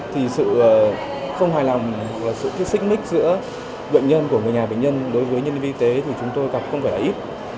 thì sự không hài lòng hoặc là sự thích xích mít giữa bệnh nhân của người nhà bệnh nhân đối với nhân vi tế thì chúng tôi gặp không phải là ít